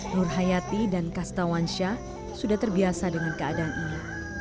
nurhayati dan kastawansyah sudah terbiasa dengan keadaannya